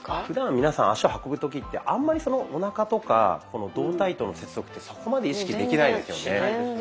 ふだん皆さん足を運ぶ時ってあんまりおなかとか胴体との接続ってそこまで意識できないですよね。